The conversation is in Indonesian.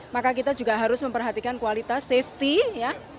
maka kita juga harus memperhatikan kualitas safety ya